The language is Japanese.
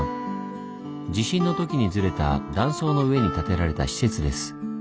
地震の時にずれた断層の上に建てられた施設です。